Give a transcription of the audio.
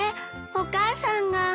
お母さんが。